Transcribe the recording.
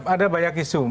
ada banyak isu